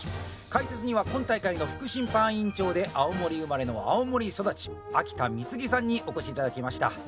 解説には今大会の副審判委員長で青森生まれの青森育ち秋田貢さんにお越しいただきました。